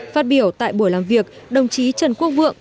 phát biểu tại buổi làm việc đồng chí trần quốc vượng